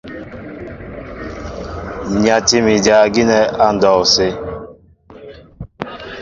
Nyatí mi dyǎ gínɛ́ á ndɔw sə.